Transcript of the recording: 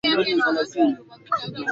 ni mtazamo wake ojwang kina